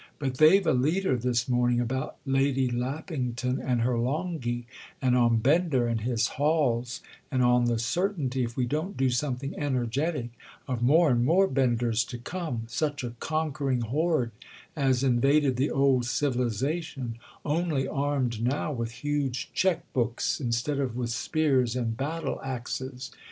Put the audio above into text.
But they've a leader this morning about Lady Lappington and her Longhi, and on Bender and his hauls, and on the certainty—if we don't do something energetic—of more and more Benders to come: such a conquering horde as invaded the old civilisation, only armed now with huge cheque books instead of with spears and battle axes.